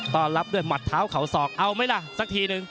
รับด้วยหมัดเท้าเขาศอกเอาไหมล่ะสักทีหนึ่ง